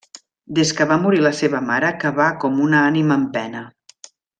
Des que va morir la seva mare que va com una ànima en pena.